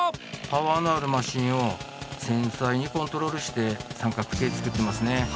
パワーのあるマシンを繊細にコントロールして三角形を作ってますね。